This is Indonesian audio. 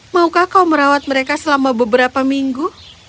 maukah kau merawat mereka selama beberapa minggu